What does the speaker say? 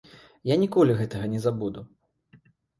Я ніколі гэтага не забуду.